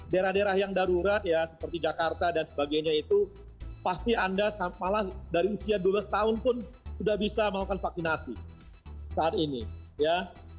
daerah daerah yang darurat ya seperti jakarta dan sebagainya itu pasti anda malah dari usia dua belas tahun pun sudah bisa melakukan vaksinasi saat ini ya